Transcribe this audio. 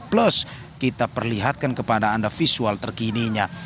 plus kita perlihatkan kepada anda visual terkininya